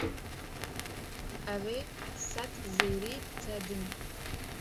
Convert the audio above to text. Ew ê sed zêrî bi te din.